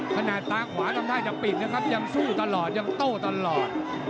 ตาขวาทำท่าจะปิดนะครับยังสู้ตลอดยังโต้ตลอด